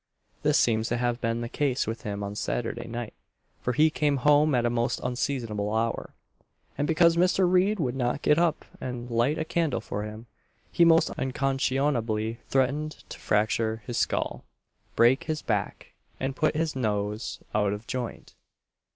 This seems to have been the case with him on Saturday night, for he came home at a most unseasonable hour, and because Mr. Reid would not get up and light a candle for him, he most unconscionably threatened to fracture his skull, break his back, and put his nose out of joint.